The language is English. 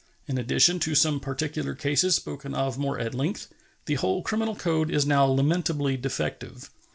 In addition to some particular cases spoken of more at length, the whole criminal code is now lamentably defective.